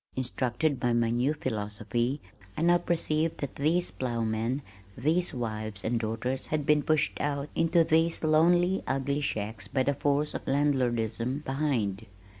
Instructed by my new philosophy I now perceived that these plowmen, these wives and daughters had been pushed out into these lonely ugly shacks by the force of landlordism behind.